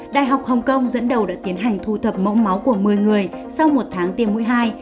đại học hồng kông dẫn đầu đã tiến hành thu thập mẫu máu của một mươi người sau một tháng tiêm mũi hai